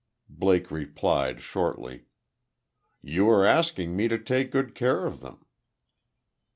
Blake replied, shortly: "You were asking me to take good care of them."